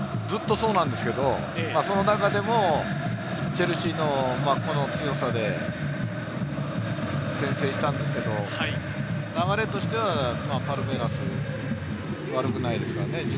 ずっとそうなんですけど、その中でもチェルシーの個の強さで、先制したんですけど、流れとしてはパルメイラス、悪くないですからね。